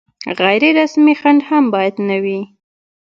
غیر رسمي خنډ هم باید نه وي.